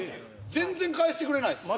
全然返してくれないですよ